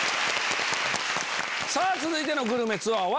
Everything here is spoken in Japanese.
続いてのグルメツアーは？